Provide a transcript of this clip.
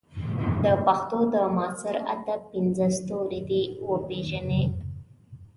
د پښتو د معاصر ادب پنځه ستوري دې وپېژني.